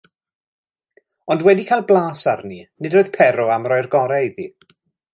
Ond wedi cael blas arni, nid oedd Pero am roi'r gorau iddi.